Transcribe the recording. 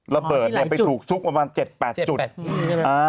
ระเบิดไปถูกซุกประมาณ๗๘จุด